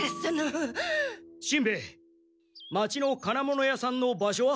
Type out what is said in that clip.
しんべヱ町の金物屋さんの場所は？